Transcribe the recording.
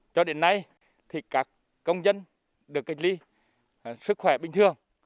cho đến nay thì các công dân được cách ly sức khỏe bình thường